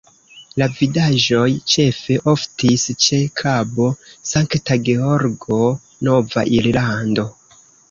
La vidaĵoj ĉefe oftis ĉe Kabo Sankta Georgo, Nova Irlando.